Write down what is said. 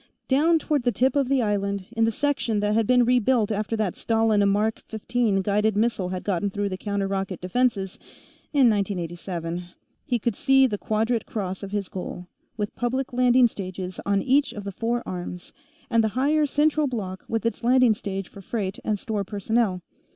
Down toward the tip of the island, in the section that had been rebuilt after that Stalin Mark XV guided missile had gotten through the counter rocket defenses in 1987, he could see the quadrate cross of his goal, with public landing stages on each of the four arms, and the higher central block with its landing stage for freight and store personnel.